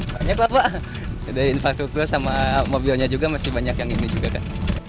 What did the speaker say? banyak lah pak ada infrastruktur sama mobilnya juga masih banyak yang ini juga kan